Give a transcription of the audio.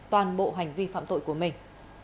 toàn bộ hành vi phạm tội của mình